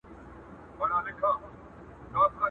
د طاووس تر رنګینیو مي خوښيږي٫